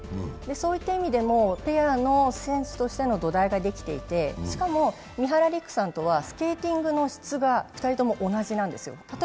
そういった意味でもペアの選手としての土台もできていてしかも三浦璃来さんとはスケーティングの質が２人とも同じなんですよ。